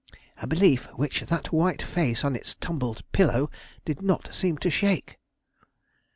"A belief which that white face on its tumbled pillow did not seem to shake?"